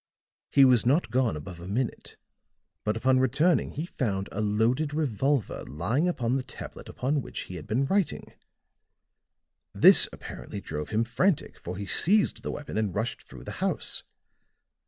He was not gone above a minute; but upon returning he found a loaded revolver lying upon the tablet upon which he had been writing. This apparently drove him frantic, for he seized the weapon and rushed through the house.